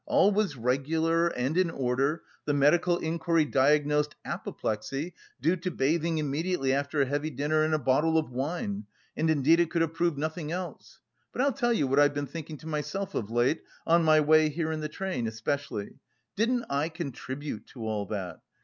All was regular and in order; the medical inquiry diagnosed apoplexy due to bathing immediately after a heavy dinner and a bottle of wine, and indeed it could have proved nothing else. But I'll tell you what I have been thinking to myself of late, on my way here in the train, especially: didn't I contribute to all that...